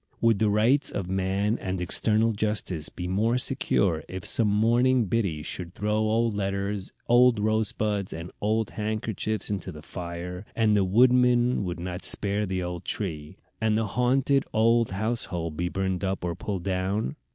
Would the rights of man and eternal justice be more secure if some morning Biddy should throw old letters, old rose buds, and old handkerchiefs into the fire, and the woodman would not spare the old tree, and the haunted old household be burned up or pulled down?